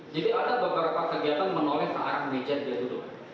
jadi ada beberapa kegiatan menoleh ke arah meja di mana dia duduk